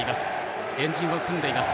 円陣を組んでいます。